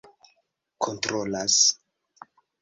kontrolas